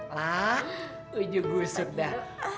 lah uju gusuk dah